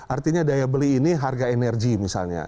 artinya daya beli ini harga energi misalnya